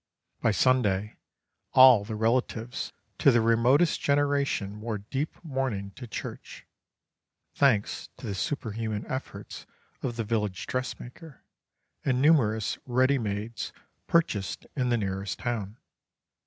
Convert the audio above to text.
By Sunday all the relatives to the remotest generation wore deep mourning to church—thanks to the superhuman efforts of the village dressmaker, and numerous ready mades purchased in the nearest town.